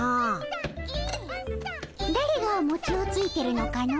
だれがもちをついてるのかの？